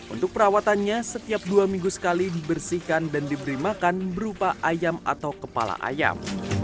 untuk perawatannya setiap dua minggu sekali dibersihkan dan diberi makan berupa ayam atau kepala ayam